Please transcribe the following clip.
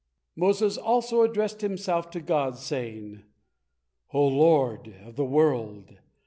Moses also addressed himself to God, saying: "O Lord of the world!